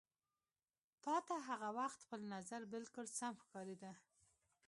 تا ته هغه وخت خپل نظر بالکل سم ښکارېده.